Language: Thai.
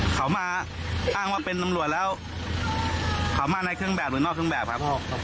เขามาอ้างว่าเป็นตำรวจแล้วเขามาในเครื่องแบบหรือนอกเครื่องแบบครับพ่อ